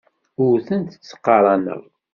Ur tent-ttqaraneɣ.